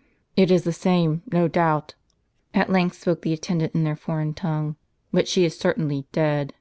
" It is the same, no doubt," at length spoke the attendant in their foreign tongue ;" but she is certainly dead."